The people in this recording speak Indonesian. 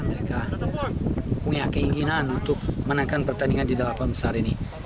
mereka punya keinginan untuk menangkan pertandingan di delapan besar ini